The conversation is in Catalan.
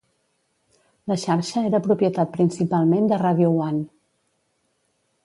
La xarxa era propietat principalment de Radio One.